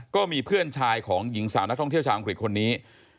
ก็มีเพื่อนชายของหญิงสาวนักท่องเที่ยวชาวอังกฤษคนนี้